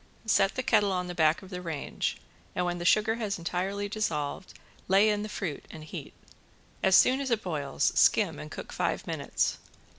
Set the kettle on the back of the range, and when the sugar has entirely dissolved lay in the fruit and heat. As soon as it boils skim and cook five minutes.